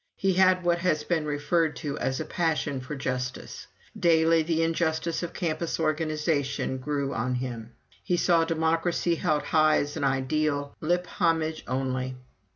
He had what has been referred to as "a passion for justice." Daily the injustice of campus organization grew on him; he saw democracy held high as an ideal lip homage only.